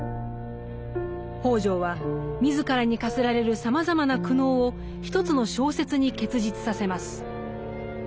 北條は自らに課せられるさまざまな苦悩を一つの小説に結実させます。